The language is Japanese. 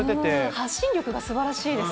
発信力がすばらしいです。